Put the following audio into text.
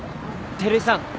・照井さん。